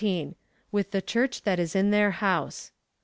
With the Church that is in their house.